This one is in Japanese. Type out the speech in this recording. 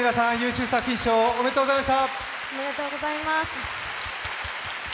優秀作品賞、おめでとうございました。